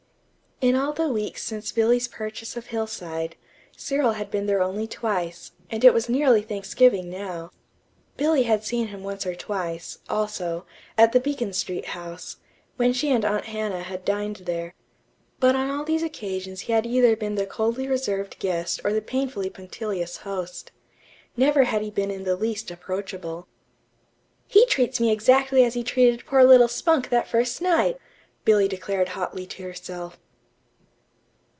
In all the weeks since Billy's purchase of Hillside, Cyril had been there only twice, and it was nearly Thanksgiving now. Billy had seen him once or twice, also, at the Beacon Street house, when she and Aunt Hannah had dined there; but on all these occasions he had been either the coldly reserved guest or the painfully punctilious host. Never had he been in the least approachable. "He treats me exactly as he treated poor little Spunk that first night," Billy declared hotly to herself.